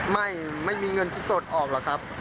ไม่มีเงินที่สดออกหรอกครับ